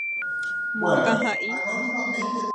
Moakãha'i.